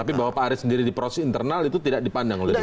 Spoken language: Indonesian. tapi bahwa pak arief sendiri di proses internal itu tidak dipandang oleh dpr